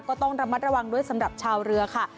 ก็ต้องระมัดระวังด้วยสำหรับชาวเรือค่ะ